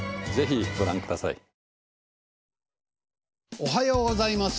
おはようございます。